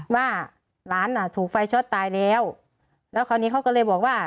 ว่าหลานอ่ะถูกไฟช็อตตายแล้วแล้วคราวนี้เขาก็เลยบอกว่า